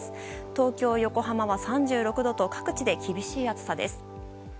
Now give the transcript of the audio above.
東京、横浜は３６度と各地で厳しい暑さです。